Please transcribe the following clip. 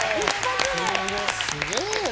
すげえなぁ。